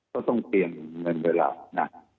ก็ต้องเตรียมเงินเวลานะ